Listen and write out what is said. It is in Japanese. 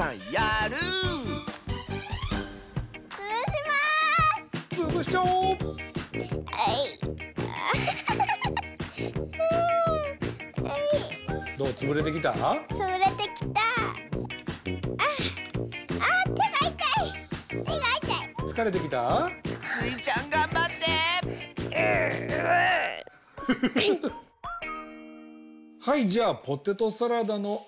はいじゃあポテトサラダのあじつけは？